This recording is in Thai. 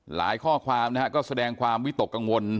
ข้อความนะฮะก็แสดงความวิตกกังวล